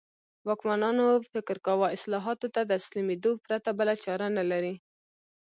واکمنانو فکر کاوه اصلاحاتو ته تسلیمېدو پرته بله چاره نه لري.